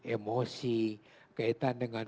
emosi kaitan dengan